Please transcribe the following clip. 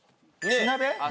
火鍋？